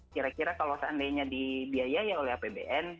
kira kira kalau seandainya dibiayai oleh apbn